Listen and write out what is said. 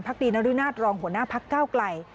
ภักดินรุนาทรองหัวหน้าภักดิ์เก้าไกล